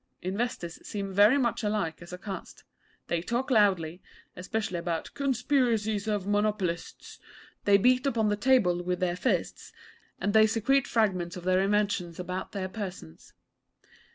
Inventors seem very much alike as a caste. They talk loudly, especially about 'conspiracies of monopolists'; they beat upon the table with their fists; and they secrete fragments of their inventions about their persons.